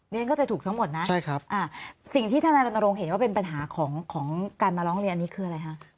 ฉันเข้าใจถูกทั้งหมดนะสิ่งที่ธนายรณรงค์เห็นว่าเป็นปัญหาของการมาร้องเรียนอันนี้คืออะไรคะ